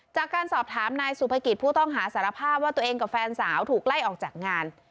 จากการสอบถามนายสุภกิจผู้ต้องหาสารภาพว่าตัวเองกับแฟนสาวถูกไล่ออกจากงาน